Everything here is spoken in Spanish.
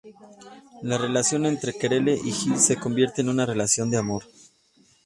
La relación entre Querelle y Gil se convierte en una relación de amor.